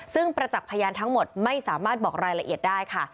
ซึ่งประจักษ์พยานทั้งหมดไม่สามารถบอกรายละเอียดได้ค่ะ